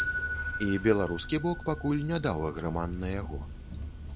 І беларускі бок пакуль не даў агрэман на яго.